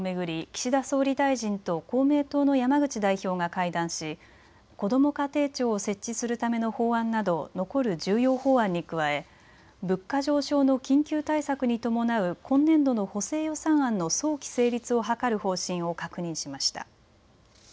岸田総理大臣と公明党の山口代表が会談しこども家庭庁を設置するための法案など残る重要法案に加え物価上昇の緊急対策に伴う今年度の補正予算案の早期成立を図る方針を確認しました。